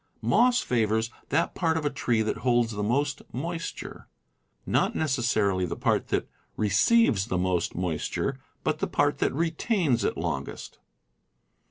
Moss favors ^ that part of a tree that holds the most moisture; not necessarily the part that receives the most moisture, but the part that retains it longest.